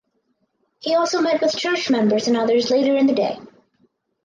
He also met with church members and others later in the day.